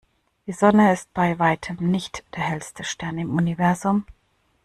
Die Sonne ist bei Weitem nicht der hellste Stern im Universum.